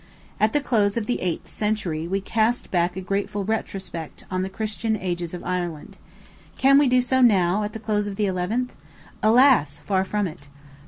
At the close of the eighth century we cast back a grateful retrospect on the Christian ages of Ireland. Can we do so now, at the close of the eleventh? Alas! far from it.